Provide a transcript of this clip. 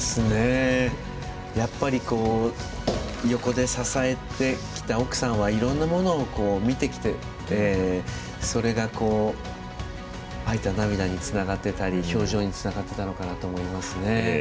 やっぱり横で支えてきた奥さんはいろんなものを見てきててそれが、涙につながってたり表情につながってたのかなと思いますね。